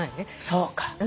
そうか。